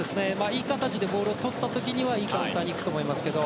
いい形でボールをとった時はいいカウンターに行くと思いますけど。